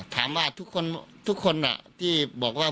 ถามว่าทุกคนที่บอกว่า